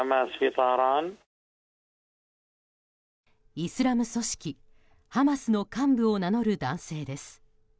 イスラエル組織ハマスの幹部を名乗る男性です。